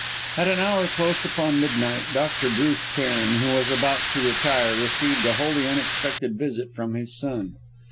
At an hour close upon midnight, Dr. Bruce Cairn, who was about to retire, received a wholly unexpected visit from his son.